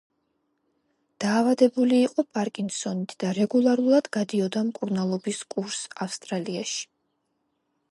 დაავადებული იყო პარკინსონით და რეგულარულად გადიოდა მკურნალობის კურსს ავსტრალიაში.